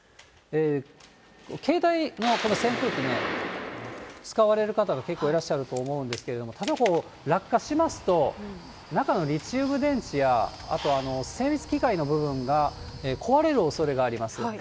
携帯の扇風機、使われる方が結構いらっしゃると思うんですけれども、ただ、こう、落下しますと、中のリチウム電池や、あと精密機械の部分が壊れるおそれがあります。